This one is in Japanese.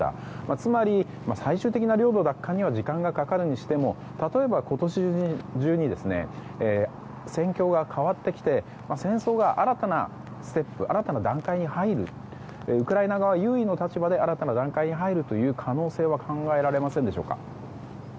つまり、最終的な領土奪還には時間がかかるにしても例えば今年中に戦況が変わってきて戦争が新たな段階に入るウクライナ側が優位な立場で新たな段階に入るというのは可能性は考えられませんでしょうか。